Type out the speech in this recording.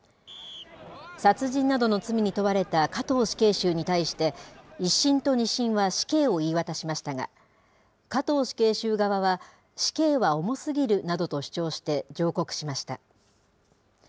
殺人などの罪に問われた加藤死刑囚に対して、１審と２審は死刑を言い渡しましたが、加藤死刑囚側は、死刑は重すぎるなどと主張して上告しました。